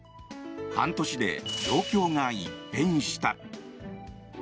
半年で状況が一変した。